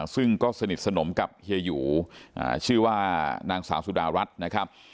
ซึ่งก็สนิทสนมกับเฮียหยูชื่อว่านางสาวสุดารัฐนะครับ